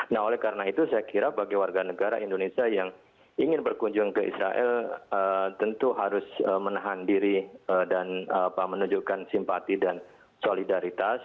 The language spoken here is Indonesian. nah oleh karena itu saya kira bagi warga negara indonesia yang ingin berkunjung ke israel tentu harus menahan diri dan menunjukkan simpati dan solidaritas